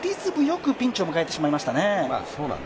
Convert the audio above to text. よくピンチを迎えてしまいましたね。